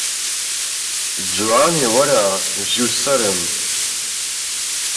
جوانێ وەرە ژوور سەرم